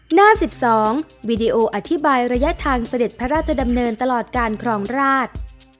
หน้า๑๒วีดีโออธิบายระยะทางเสด็จพระราชดำเนินตลอดการครองราช